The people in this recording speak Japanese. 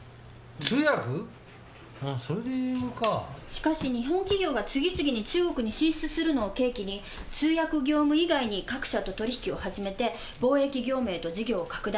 しかし日本企業が次々に中国に進出するのを契機に通訳業務以外に各社と取引を始めて貿易業務へと事業を拡大。